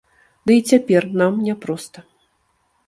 Ды і цяпер нам няпроста.